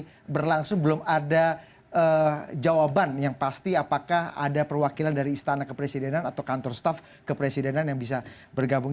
ini berlangsung belum ada jawaban yang pasti apakah ada perwakilan dari istana kepresidenan atau kantor staff kepresidenan yang bisa bergabung